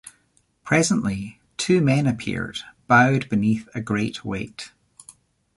Presently two men appeared, bowed beneath a great weight.